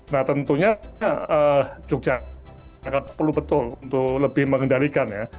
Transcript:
nah tentunya jogja akan perlu betul untuk lebih mengendalikan ya